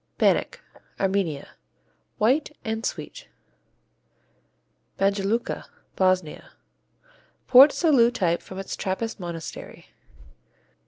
Banick Armenia White and sweet. Banjaluka Bosnia Port Salut type from its Trappist monastery.